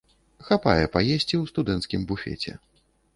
Хапае паесці ў студэнцкім буфеце.